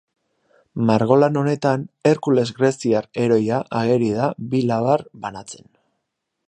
Margolan honetan Herkules greziar heroia ageri da bi labar banatzen.